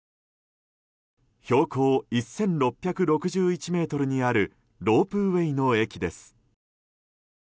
標高１６６１ｍにあるロープウェーの駅です。